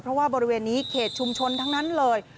เพราะว่าบริเวณนี้เขตชุมชนทั้งนั้นเลย